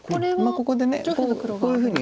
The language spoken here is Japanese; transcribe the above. ここでこういうふうに。